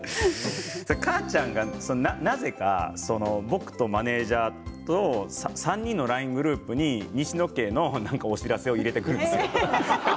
かあちゃんがなぜか僕とマネージャーと３人のＬＩＮＥグループに西野家のお知らせを入れてくるんですよ。